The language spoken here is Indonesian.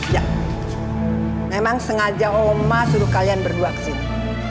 ya memang sengaja oma suruh kalian berdua kesini